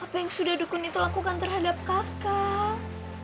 apa yang sudah dukun itu lakukan terhadap kakak